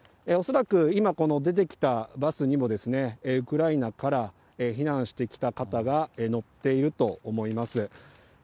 恐らく今、出てきたバスにも、ウクライナから避難してきた方が乗っていると思います。